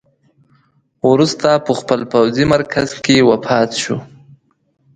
وروسته په خپل پوځي مرکز کې وفات شو.